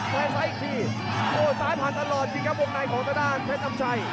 ซ้ายซ้ายอีกทีโอ้โหซ้ายผ่านตลอดทีครับวงในของตระดาษแพทย์น้ำชัย